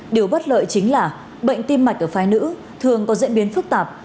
điều bất lợi chính là bệnh tim mạch ở phái nữ thường có diễn biến phức tạp